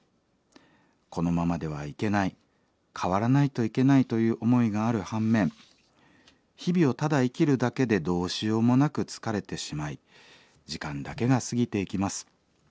このままではいけない変わらないといけないという思いがある反面日々をただ生きるだけでどうしようもなく疲れてしまい時間だけが過ぎていきます。